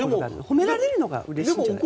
褒められるのがうれしいんじゃないですかね。